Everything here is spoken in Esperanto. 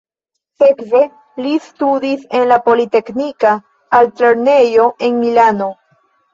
Sekve li studis en la politeknika altlernejo en Milano.